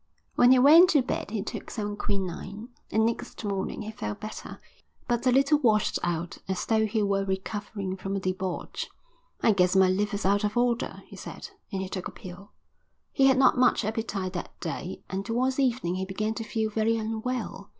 When he went to bed he took some quinine, and next morning he felt better, but a little washed out, as though he were recovering from a debauch. "I guess my liver's out of order," he said, and he took a pill. He had not much appetite that day and towards evening he began to feel very unwell.